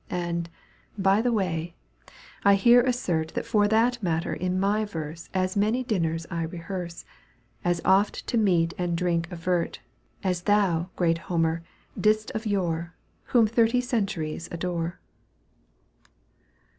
And, by the way, I here assert That for that matter in my verse As many dinners I rehearse. As oft to meat and drink advert. As thou, great Homer, didst of yore, Whom thirty centuries adore.